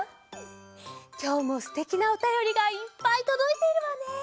きょうもすてきなおたよりがいっぱいとどいているわね。